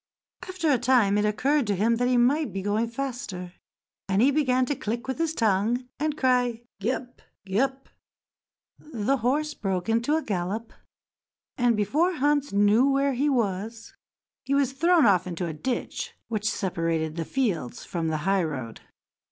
After a time it occurred to him that he might be going faster, and he began to click with his tongue, and to cry, "Gee up! Gee up!" The horse broke into a gallop, and before Hans knew where he was he was thrown off into a ditch which separated the fields from the highroad.